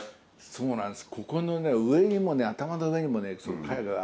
そうなんです。